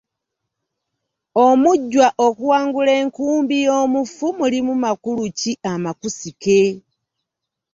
Omujjwa okuwangula enkumbi y’omufu mulimu makulu ki amakusike?